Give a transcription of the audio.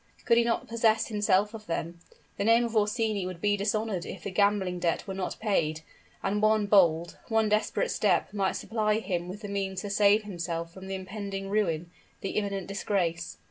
Could he not possess himself of them? The name of Orsini would be dishonored if the gambling debt were not paid; and one bold one desperate step might supply him with the means to save himself from the impending ruin the imminent disgrace.